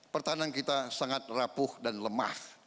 pertahanan kita sangat rapuh dan lemah